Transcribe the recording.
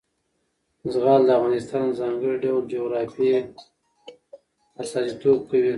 زغال د افغانستان د ځانګړي ډول جغرافیه استازیتوب کوي.